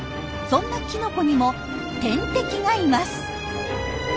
そんなキノコにも天敵がいます。